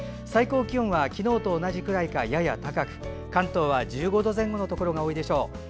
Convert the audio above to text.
最高気温は昨日と同じくらいかやや高く関東は１５度前後のところが多いでしょう。